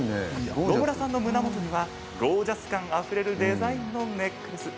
野村さんの胸元にはゴージャス感あふれるデザインのネックレス。